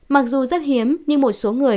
mặc dù rất hiếm nhưng một số người